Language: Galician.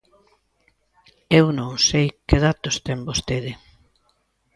Eu non sei que datos ten vostede.